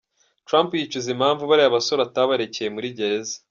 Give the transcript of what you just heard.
Trump yicuza impamvu bariya basore atabarekeye muri gereza.